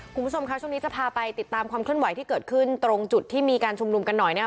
คุณผู้ชมคะช่วงนี้จะพาไปติดตามความเคลื่อนไหวที่เกิดขึ้นตรงจุดที่มีการชุมนุมกันหน่อยนะครับ